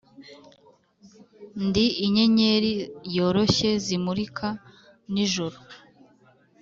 ndi inyenyeri yoroshye zimurika nijoro.